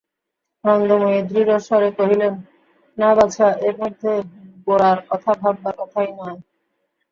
আনন্দময়ী দৃঢ়স্বরে কহিলেন, না বাছা, এর মধ্যে গোরার কথা ভাববার কথাই নয়।